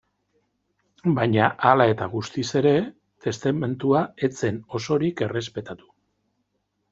Baina hala eta guztiz ere, testamentua ez zen osorik errespetatu.